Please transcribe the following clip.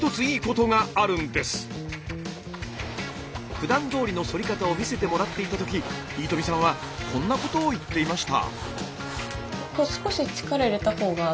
ふだんどおりのそり方を見せてもらっていた時飯富さんはこんなことを言っていました。